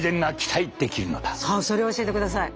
さあそれを教えてください。